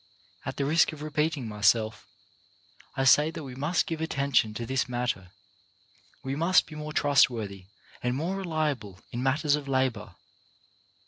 At the risk of repeating myself, I say that we must give attention to this matter, — we must be more trustworthy and more reliable in matters of labour.